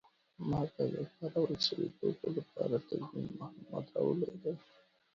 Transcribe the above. ما ته د کارول شوي توکو لپاره د تضمین معلومات راولیږئ.